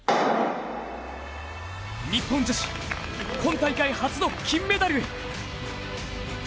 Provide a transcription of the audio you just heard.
日本女子今大会初の金メダル。